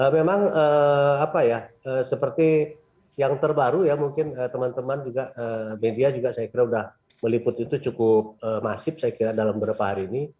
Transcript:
memang seperti yang terbaru ya mungkin teman teman juga media juga saya kira sudah meliput itu cukup masif saya kira dalam beberapa hari ini